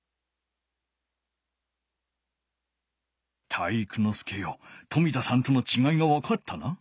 体育ノ介よ冨田さんとのちがいがわかったな。